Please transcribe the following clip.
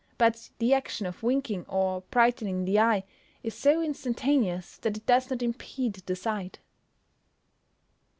But the action of winking, or brightening the eye, is so instantaneous that it does not impede the sight.